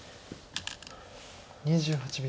２８秒。